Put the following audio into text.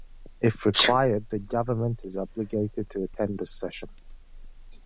If required, the Government is obligated to attend the session.